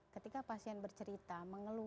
ketika pasien bercerita mengeluh